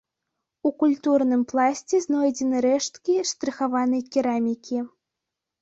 У культурным пласце знойдзены рэшткі штрыхаванай керамікі.